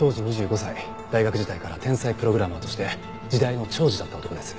大学時代から天才プログラマーとして時代の寵児だった男です。